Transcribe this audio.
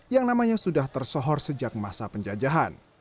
yang namanya sudah tersohor sejak masa penjajahan